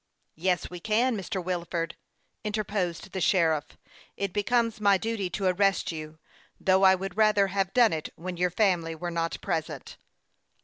" Yes, we can, Mr. Wilford," interposed the sheriff; " It becomes my duty to arrest you, though I would rather have done it when your family were not present."